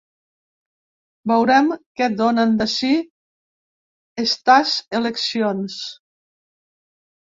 Veurem que donen de si estàs eleccions.